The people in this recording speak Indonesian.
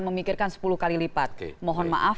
memikirkan sepuluh kali lipat mohon maaf